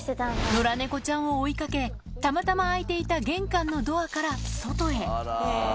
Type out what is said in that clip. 野良猫ちゃんを追いかけ、たまたま開いていた玄関のドアから外へ。